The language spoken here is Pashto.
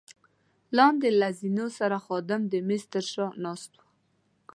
لاندې له زینو سره خادم د مېز تر شا ناست وو.